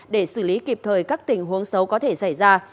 để xử lý kịp thời các tình huống xấu có thể xảy ra